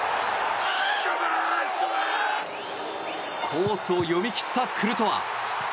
コースを読み切ったクルトワ。